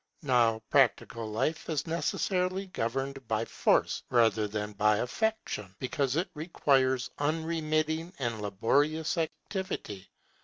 Now practical life is necessarily governed by force rather than by affection, because it requires unremitting and laborious activity.